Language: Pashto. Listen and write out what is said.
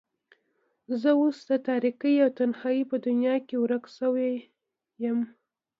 زه اوس د تاريکۍ او تنهايۍ په دنيا کې ورکه شوې يم.